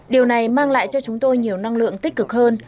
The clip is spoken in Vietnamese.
điều này mang lại cho chúng tôi nhiều năng lượng tích cực hơn